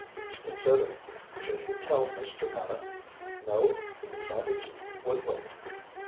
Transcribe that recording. He considered. Should he tell Mr. Paddock? No, he decided he would wait.